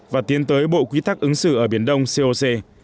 và tiến tới bộ quy tắc ứng xử ở biển đông coc